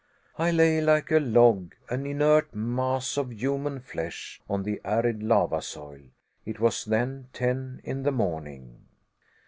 I lay like a log, an inert mass of human flesh on the arid lava soil. It was then ten in the morning.